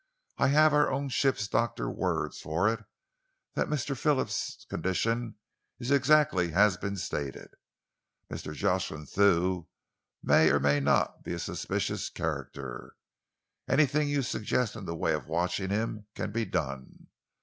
I have our own ship doctor's word for it that Mr. Phillips' condition is exactly as has been stated. Mr. Jocelyn Thew may or may not be a suspicious character. Anything you suggest in the way of watching him can be done.